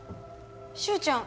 柊ちゃん